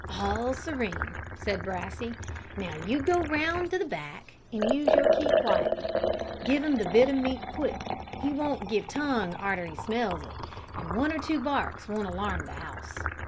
"All serene," said Brassey; "now, you go round to the back and use your key quietly. Give 'im the bit o' meat quick. He won't give tongue arter 'e smells it, and one or two barks won't alarm the 'ouse.